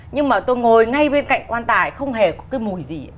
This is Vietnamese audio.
nhưng mà tôi ngồi ngay bên cạnh quan tài không hề có cái mùi gì